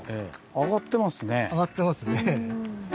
上がってますね。